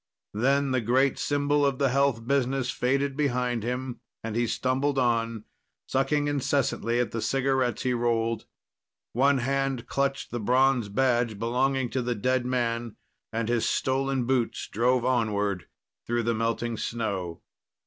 _ Then the great symbol of the health business faded behind him, and he stumbled on, sucking incessantly at the cigarettes he rolled. One hand clutched the bronze badge belonging to the dead man and his stolen boots drove onward through the melting snow.